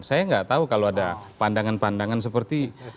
saya nggak tahu kalau ada pandangan pandangan seperti